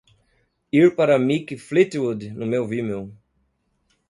Ir para Mick Fleetwood no meu Vimeo